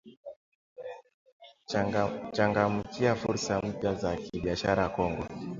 Kuchangamkia fursa mpya za kibiashara Kongo